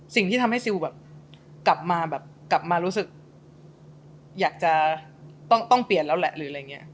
สิ่งที่ทำให้ซิลกลับมารู้สึกอยากจะต้องเปลี่ยนแล้วแหละ